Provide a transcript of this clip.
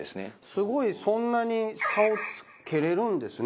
すごいそんなに差をつけられるんですね